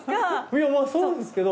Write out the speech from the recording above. いやまあそうですけど。